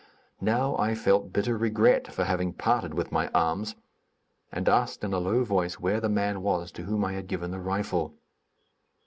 Now I felt bitter regret for having parted with my arms, and asked in a low voice where the man was to whom I had given the rifle.